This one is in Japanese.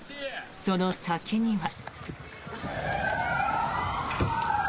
その先には。